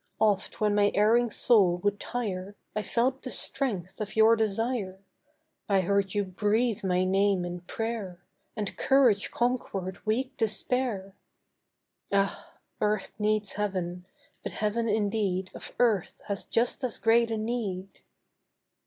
Oft when my erring soul would tire I felt the strength of your desire; I heard you breathe my name in prayer, And courage conquered weak despair. Ah! earth needs heaven, but heaven indeed Of earth has just as great a need.